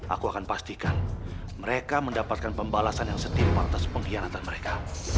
aku akan pastikan mereka mendapatkan pembalasan yang setiru atas pengkhianatan mereka